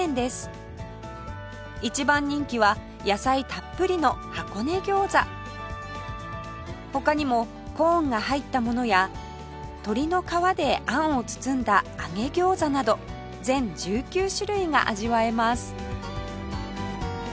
一番人気は野菜たっぷりのはこねぎょうざ他にもコーンが入ったものや鶏の皮であんを包んだ揚げぎょうざなど全１９種類が味わえます